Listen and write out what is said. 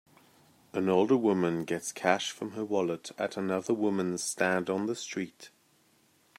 An older woman gets cash from her wallet at a another woman 's stand on the street.